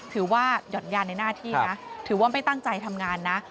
หย่อนยานในหน้าที่นะถือว่าไม่ตั้งใจทำงานนะ